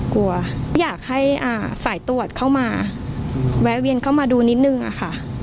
กลัวอยากให้สายตรวจเข้ามาแวะเวียนเข้ามาดูนิดนึงอะค่ะ